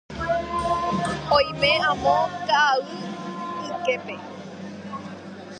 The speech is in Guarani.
Oime amo ka'aguy yképe.